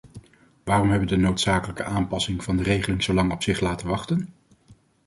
Waarom hebben de noodzakelijke aanpassingen van de regeling zo lang op zich laten wachten?